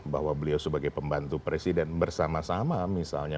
bahwa beliau sebagai pembantu presiden bersama sama misalnya